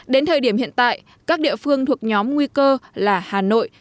đến thời điểm hiện tại các địa phương thuộc nhóm nguy cơ là hà nội